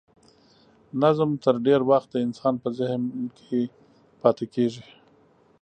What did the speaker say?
نظم تر ډېر وخت د انسان په ذهن کې پاتې کیږي.